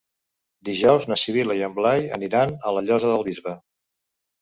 Dijous na Sibil·la i en Blai aniran a la Llosa del Bisbe.